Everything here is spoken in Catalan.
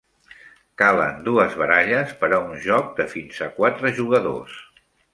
Calen dues baralles per a un joc de fins a quatre jugadors.